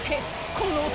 この男